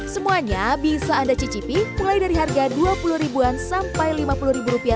semuanya bisa anda cicipi mulai dari harga dua puluh ribuan sampai lima puluh rupiah